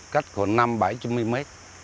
cách khoảng năm bảy chú mươi mấy